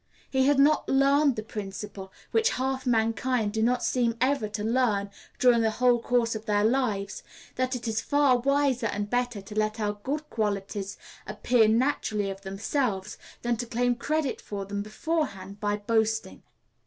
He had not learned the principle which half mankind do not seem ever to learn during the whole course of their lives that it is far wiser and better to let our good qualities appear naturally of themselves, than to claim credit for them beforehand by boasting.